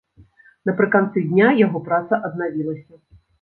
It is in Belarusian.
Напрыканцы дня яго праца аднавілася.